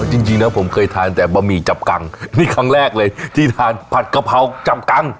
จริงจริงนะผมเคยทานแต่บะหมี่จับกังนี่ครั้งแรกเลยที่ทานผัดกะเพราจับกัง